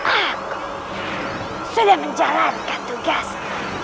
aku sudah menjalankan tugasmu